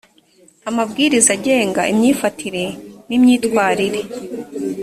amabwiriza agenga imyifatire n imyitwarire